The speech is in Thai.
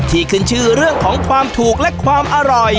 ขึ้นชื่อเรื่องของความถูกและความอร่อย